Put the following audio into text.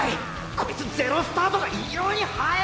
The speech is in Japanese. こいつゼロスタートが異様に速え！